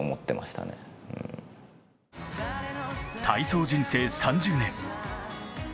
体操人生３０年。